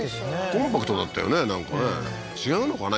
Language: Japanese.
コンパクトだったよねなんかね違うのかな？